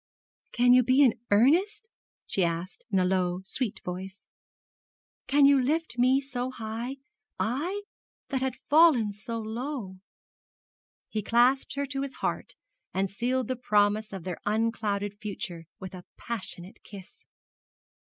'Can you be in earnest?' she asked, in a low sweet voice. 'Can you lift me so high I, that had fallen so low?' He clasped her to his heart, and sealed the promise of their unclouded future with a passionate kiss.